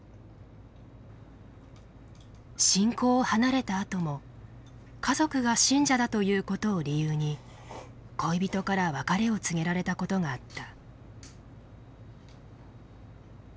信仰を離れたあとも家族が信者だということを理由に恋人から別れを告げられたことがあった。